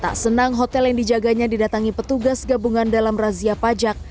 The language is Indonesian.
tak senang hotel yang dijaganya didatangi petugas gabungan dalam razia pajak